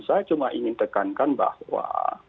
saya cuma ingin tekankan bahwa